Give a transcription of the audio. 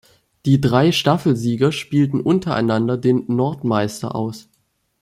Die drei Staffelsieger spielten untereinander den Nordmeister aus.